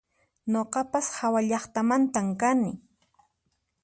Nuqapas hawallaqtamantan kani